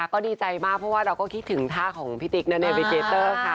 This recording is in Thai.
ก็ดีใจมากเพราะเราก็คิดถึงท่าของพี่ติ๊กนะครับ